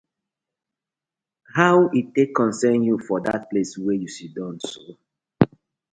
How e tak concern yu for dat place wey yu siddon so?